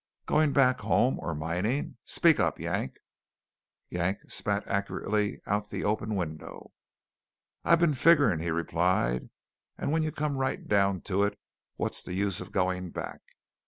"Going back home, or mining? Speak up, Yank." Yank spat accurately out the open window. "I've been figgering," he replied. "And when you come right down to it, what's the use of going back?